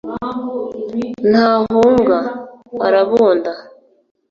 Ntahunga: Arabunda